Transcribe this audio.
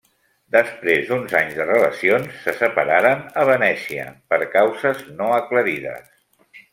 Després d'uns anys de relacions se separaren a Venècia per causes no aclarides.